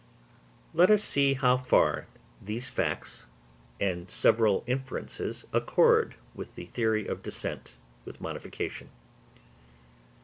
Let us see how far these several facts and inferences accord with the theory of descent with modification.